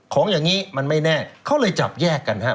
ของอย่างนี้มันไม่แน่เขาเลยจับแยกกันฮะ